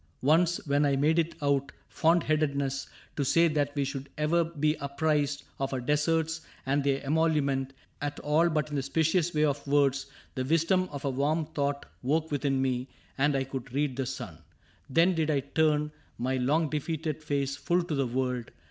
^^ Once, when I made it out fond headedness To say that we should ever be apprised Of our deserts and their emolument At all but in the specious way of words. The wisdom of a warm thought woke within me And I could read the sun. Then did I turn My long defeated face full to the world.